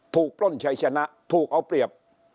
ถูกปล้นใช้ชนะถูกเอาเปรียบ